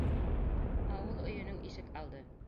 Ауыл өйөнөң ишек алды.